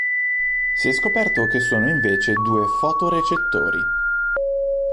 Si è scoperto che sono invece due fotorecettori.